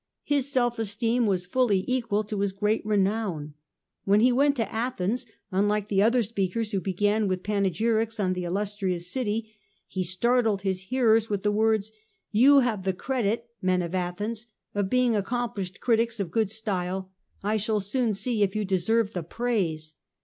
His self esteem was fully equal to his great renown. When he went to Athens, unlike the other speakers who began with pane gyrics on the illustrious city, he startled his hearers with the words, ' You have the credit, men of Athens, of being accomplished critics of good style ; 1 shall soon see if you deserve the praise.